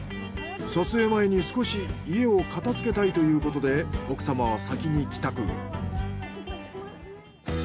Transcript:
撮影前に少し家を片付けたいということで奥様は先に帰宅。